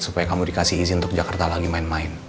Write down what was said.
supaya kamu dikasih izin untuk jakarta lagi main main